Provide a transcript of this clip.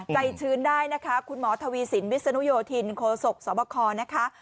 ชื้นได้นะคะคุณหมอทวีสินวิศนุโยธินโคศกสวบคนะคะ